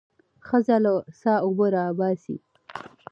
ښځه له څاه اوبه راباسي.